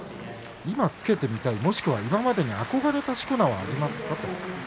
今、付けてみたいあるいは今までに憧れたしこ名はありますか？